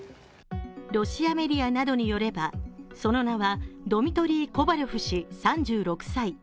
ロシアメディアなどによれば、その名はドミトリー・コヴァリョフ氏、３６歳。